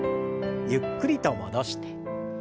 ゆっくりと戻して。